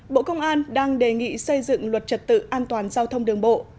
bộ công an đang đề nghị xây dựng luật trật tự an toàn giao thông đường bộ